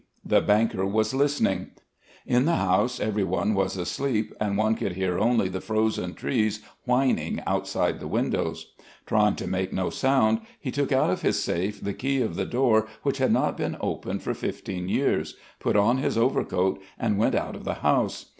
The banker was listening. In Ike house everyone was asleep, and one could hear only the frozen trees whining outside the windows. Trying to make no sound, he took out of his safe the key of the door which had not been opened for fifteen years, put on his overcoat, and went out of the house.